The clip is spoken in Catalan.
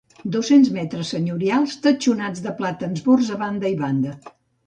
Dos-cents metres senyorials, tatxonats de plàtans bords a banda i banda.